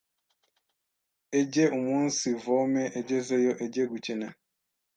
ejye umunsivome egezeyo ejye gukine